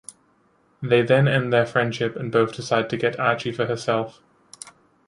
They then end their friendship and both decide to get Archie for herself.